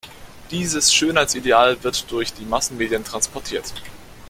Dieses Schönheitsideal wird durch die Massenmedien transportiert.